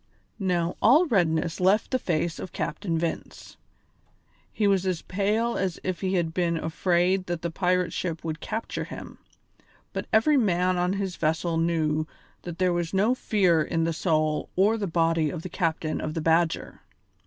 Now all redness left the face of Captain Vince. He was as pale as if he had been afraid that the pirate ship would capture him, but every man on his vessel knew that there was no fear in the soul or the body of the captain of the Badger.